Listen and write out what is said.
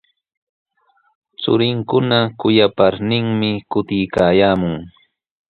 Churinkuna kuyaparninmi kutiykaamun.